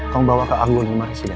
kau bawa ke agung rumah residen ya